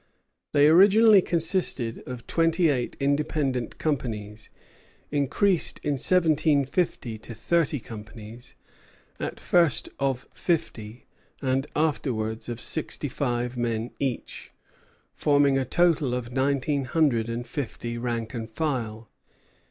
They originally consisted of twenty eight independent companies, increased in 1750 to thirty companies, at first of fifty, and afterwards of sixty five men each, forming a total of nineteen hundred and fifty rank and file.